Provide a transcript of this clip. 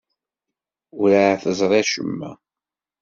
Werɛad teẓri acemma.